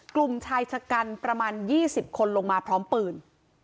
กลุ่มชายชะกันประมาณ๒๐คนลงมาพร้อมปืน